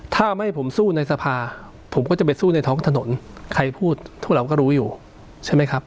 ถ้าไม่ผมสู้ในสภาผมก็จะไปสู้ในท้องถนนใครพูดพวกเราก็รู้อยู่ใช่ไหมครับ